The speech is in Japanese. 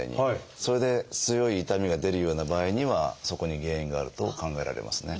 それで強い痛みが出るような場合にはそこに原因があると考えられますね。